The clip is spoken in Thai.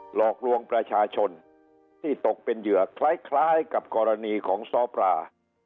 หลอกลวงประชาชนที่ตกเป็นเหยื่อคล้ายกับกรณีของซ้อปลา